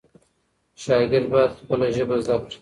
شاګرد باید خپله ژبه زده کړي.